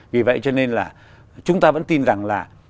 vì vậy cho nên là chúng ta vẫn tin rằng là